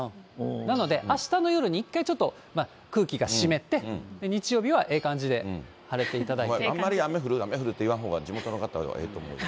なので、あしたの夜に１回ちょっと空気が湿って、日曜日はええ感じで晴れあんまり雨降る、雨降るって言わんほうが、地元の方のほうにはええと思うよ。